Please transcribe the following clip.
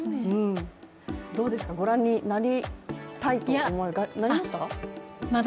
どうですか、ご覧になりたいとなりました？